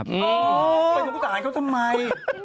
เป็นทุกต่างเขาทำไม